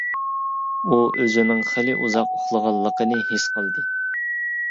ئۇ ئۆزىنىڭ خېلى ئۇزاق ئۇخلىغانلىقىنى ھېس قىلدى.